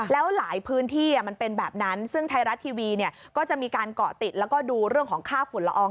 แล้วหลายพื้นที่มันเป็นแบบนั้นซึ่งไทยรัฐทีวีเนี่ยก็จะมีการเกาะติดแล้วก็ดูเรื่องของค่าฝุ่นละออง